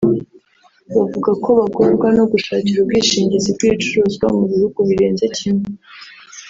bavuga ko bagorwa no gushakira ubwishingizi bw’ibicuruzwa mu bihugu birenze kimwe